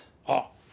ああ。